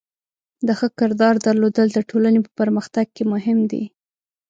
د ښه کردار درلودل د ټولنې په پرمختګ کې مهم دی.